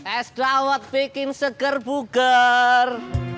es dawat bikin seger bugar